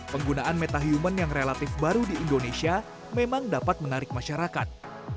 penggunaan metahuman yang relatif baru di indonesia memang dapat menarik masyarakat